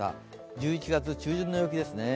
１１月中旬の陽気ですね。